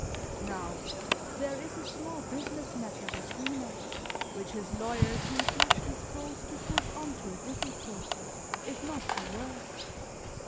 Now, there is a small business matter between us, which his lawyer seems much disposed to push on to a difficulty, if not to worse.